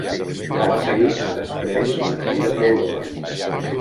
La va seguir després una gira per Europa.